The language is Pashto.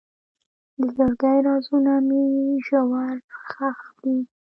د زړګي رازونه مې ژور ښخ دي.